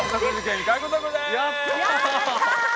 やったー！